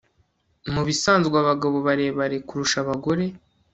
Mubisanzwe abagabo barebare kurusha abagore